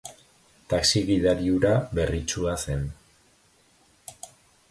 Taxi gidari hura berritsua zen.